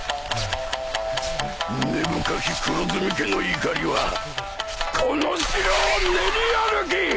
根深き黒炭家の怒りはこの城を練り歩き